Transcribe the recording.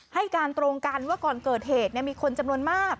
ให้การตรงกันว่าก่อนเกิดเหตุมีคนจำนวนมาก